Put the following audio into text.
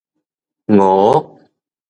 鼇